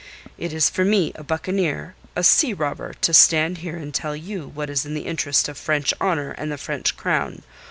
It is for me, a buccaneer, a sea robber, to stand here and tell you what is in the interest of French honour and the French Crown.